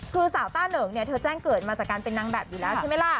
คือสาวต้าเหนิงเนี่ยเธอแจ้งเกิดมาจากการเป็นนางแบบอยู่แล้วใช่ไหมล่ะ